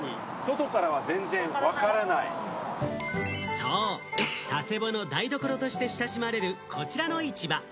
そう、佐世保の台所として親しまれるこちらの市場。